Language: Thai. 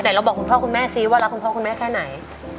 แต่เราบอกคุณพ่อคุณแม่ซิว่ารักคุณพ่อคุณแม่แค่ไหน